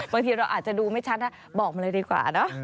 บางทีเราอาจจะดูไม่ชัดบอกมาเลยดีกว่าเนอะ